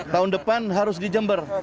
tahun depan harus di jember